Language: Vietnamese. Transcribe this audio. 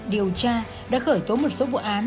điều tra đã khởi tố một số vụ án